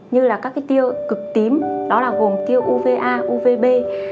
như là các tiêu cực tím gồm tiêu uva uvb